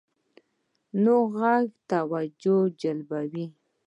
نوی غږ توجه جلبوي